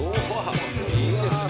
いいですね。